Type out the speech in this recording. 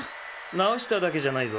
なおしただけじゃないぞ。